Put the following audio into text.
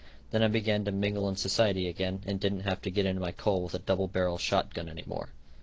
Then I began to mingle in society again, and didn't have to get in my coal with a double barrel shot gun any more.